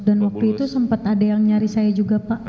waktu itu sempat ada yang nyari saya juga pak